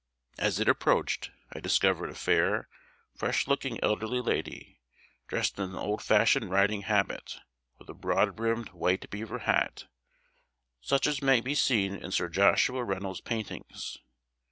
As it approached I discovered a fair, fresh looking elderly lady, dressed in an old fashioned riding habit, with a broad brimmed white beaver hat, such as may be seen in Sir Joshua Reynolds' paintings.